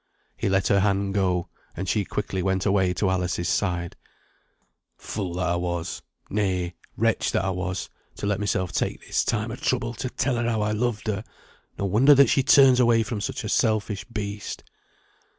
He let her hand go, and she quickly went away to Alice's side. "Fool that I was nay, wretch that I was to let myself take this time of trouble to tell her how I loved her; no wonder that she turns away from such a selfish beast."